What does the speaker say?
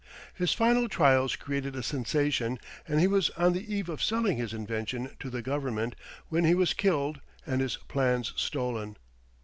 His final trials created a sensation and he was on the eve of selling his invention to the Government when he was killed and his plans stolen.